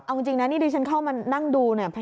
เอาจริงนะนี่ดิฉันเข้ามานั่งดูเนี่ย